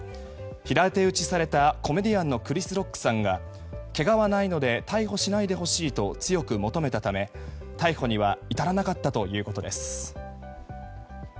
平手打ちされたコメディアンのクリス・ロックさんがけがはないので逮捕しないでほしいと強く求めたため逮捕には至らなかったということです。